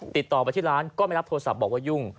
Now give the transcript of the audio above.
ติดต่อไปที่ร้านก็ไม่รับโทรศัพท์บอกว่ายุ่ง